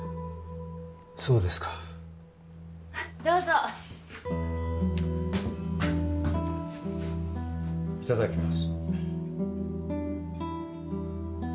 そうですかどうぞいただきます